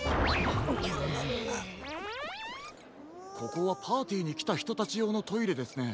ここはパーティーにきたひとたちようのトイレですね。